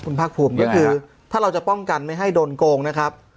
คุณภาคภูมินี่คือถ้าเราจะป้องกันไม่ให้โดนโกงนะครับ